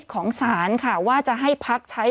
ผู้ต้องหาที่ขับขี่รถจากอายานยนต์บิ๊กไบท์